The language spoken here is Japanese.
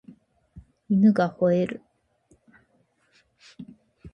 犬が吠える